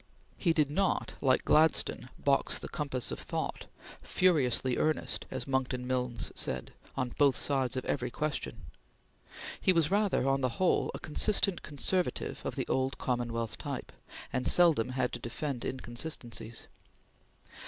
He did not, like Gladstone, box the compass of thought; "furiously earnest," as Monckton Milnes said, "on both sides of every question"; he was rather, on the whole, a consistent conservative of the old Commonwealth type, and seldom had to defend inconsistencies.